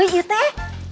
ini iya teh